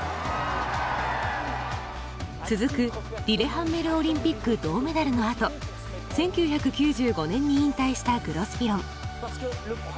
続くリレハンメルオリンピック銅メダルのあと１９９５年に引退したグロスピロン。